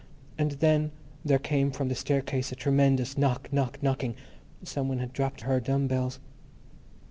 And then there came from the staircase a tremendous knock knock knocking. Some one had dropped her dumbbells.